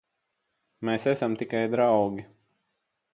Mēs esam tikai draugi.